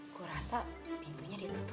kurasa pintunya ditutup